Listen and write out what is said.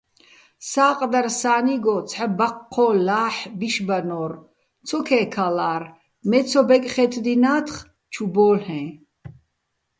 სა́ყდარ სა́ნიგო ცჰ̦ა ბაჴჴო́ჼ ლაჰ̦ ბიშბანო́რ, ცო ქე́ქალარ, მე ცო ბეკხე́თდინათხ, ჩუ ბო́ლ'ეჼ.